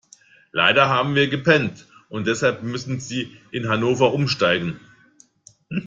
Leider haben wir gepennt und deshalb müssen Sie in Hannover umsteigen.